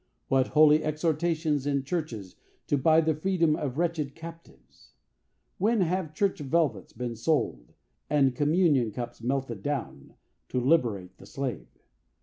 What holy exhortations in churches to buy the freedom of wretched captives? When have church velvets been sold, and communion cups melted down, to liberate the slave?